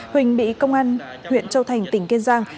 huỳnh bị công an huyện châu thành tỉnh kiên giang